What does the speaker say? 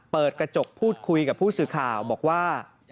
เปิดกระจกพูดคุยกับผู้สื่อข่าวบอกว่า